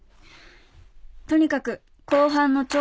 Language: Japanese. とにかく。